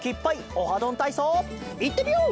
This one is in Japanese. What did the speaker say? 「オハどんたいそう」いってみよう！